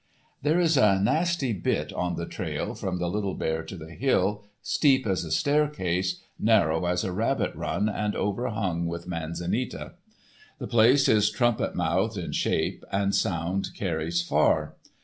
There is a nasty bit on the trail from the Little Bear to the Hill, steep as a staircase, narrow as a rabbit run, and overhung with manzanita. The place is trumpet mouthed in shape, and sound carries far.